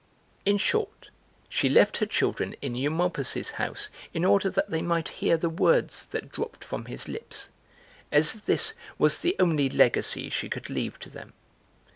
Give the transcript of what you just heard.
In short, she left her children in Eumolpus' house in order that they might hear the words that dropped from his lips, as this was the only legacy she could leave to them.